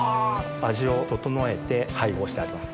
味を調えて配合してあります。